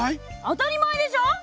当たり前でしょ！